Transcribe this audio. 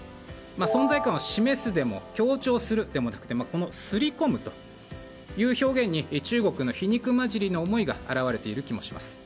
存在感を示すでも強調するでもなくて刷り込むという表現に中国の皮肉交じりの思いが表れている気がします。